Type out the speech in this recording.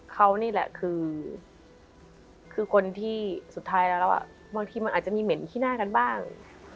เขานี่แหละคือคนที่สุดท้ายแล้วบางทีมันอาจจะมีเหม็นขี้หน้ากันบ้าง